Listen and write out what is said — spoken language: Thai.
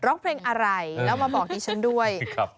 ร้องเพลงอะไรแล้วมาบอกดิฉันด้วย